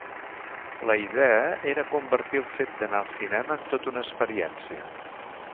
La idea era convertir el fet d'anar al cinema en tota una experiència.